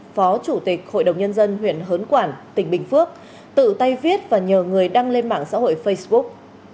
phó chủ tịch hội đồng nhân dân huyện hớn quản tỉnh bình phước tự tay viết và nhờ người đăng lên mạng xã hội facebook